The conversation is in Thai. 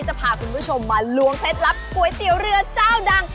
จะพาคุณผู้ชมมาล้วงเคล็ดลับก๋วยเตี๋ยวเรือเจ้าดัง